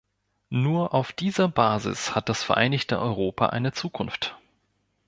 Nur auf dieser Basis hat das vereinigte Europa eine Zukunft.